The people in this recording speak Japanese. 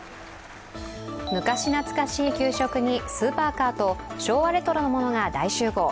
昔懐かしい給食にスーパーカーと昭和レトロなものが大集合。